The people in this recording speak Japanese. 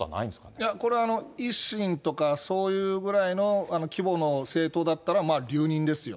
いや、これは維新とかそういうぐらいの規模の政党だったらまあ、留任ですよ。